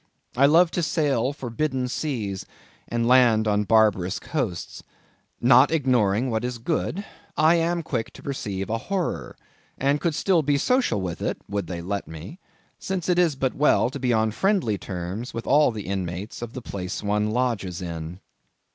I love to sail forbidden seas, and land on barbarous coasts. Not ignoring what is good, I am quick to perceive a horror, and could still be social with it—would they let me—since it is but well to be on friendly terms with all the inmates of the place one lodges in.